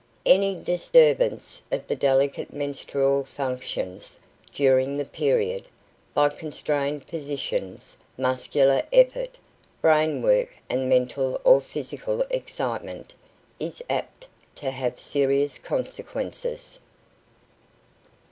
Any disturbance of the delicate menstrual functions during the period, by constrained positions, muscular effort, brain work and mental or physical excitement, is apt to have serious consequences.